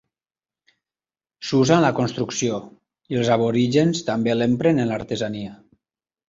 S'usa en la construcció, i els aborígens també l'empren en l'artesania.